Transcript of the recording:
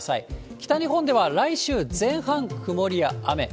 北日本では来週前半、曇りや雨。